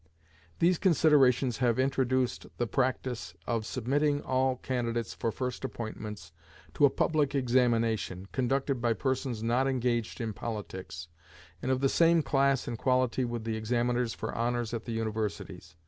These considerations have introduced the practice of submitting all candidates for first appointments to a public examination, conducted by persons not engaged in politics, and of the same class and quality with the examiners for honors at the Universities.